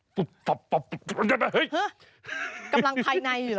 กำลังภายในอยู่เหรอ